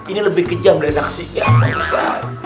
ini lebih kejam dari naksinya pak ustadz